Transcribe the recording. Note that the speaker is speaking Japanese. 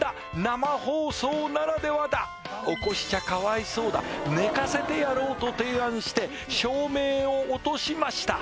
生放送ならではだ起こしちゃかわいそうだ寝かせてやろうと提案して照明を落としました